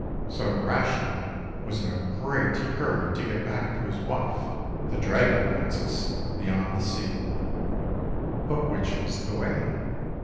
So Urashima was in a great hurry to get back to his wife, the Dragon Princess, beyond the sea. But which was the way?